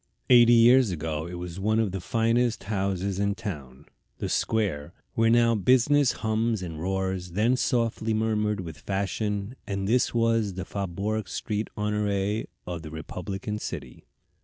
Eighty years ago it was one of the finest houses in town. The Square, where now business hums and roars, then softly murmured with fashion, and this was the Faubourg St. Honoré of the republican city.